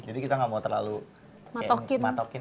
jadi kita gak mau terlalu matokin